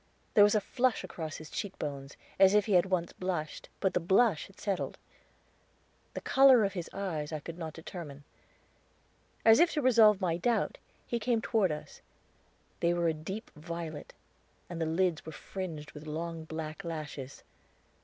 There was a flush across his cheek bones, as if he had once blushed, and the blush had settled. The color of his eyes I could not determine. As if to resolve my doubt, he came toward us; they were a deep violet, and the lids were fringed with long black lashes.